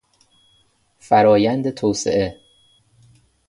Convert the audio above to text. فرآیند توسعه